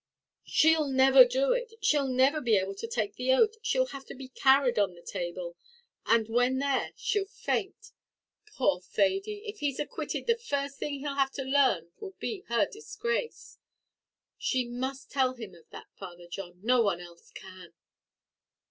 "She'll never do it; she'll never be able to take the oath; she'll have to be carried on the table, and when there, she'll faint. Poor Thady! if he's acquitted, the first thing he'll have to learn will be her disgrace. You must tell him of that, Father John; no one else can."